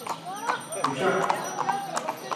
Bıçak!